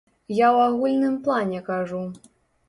Я ў агульным плане кажу.